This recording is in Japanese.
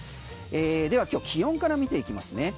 では今日気温から見ていきますね。